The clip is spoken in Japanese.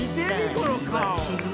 この顔。